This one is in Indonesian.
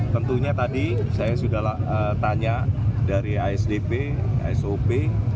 tentunya tadi saya sudah tanya dari asdp sop